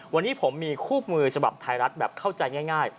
วันนี้ผมมีคู่มือฉบับไทยรัฐแบบเข้าใจง่าย